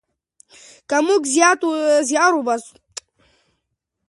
که موږ زیار وباسو نو هیواد مو پرمختګ کوي.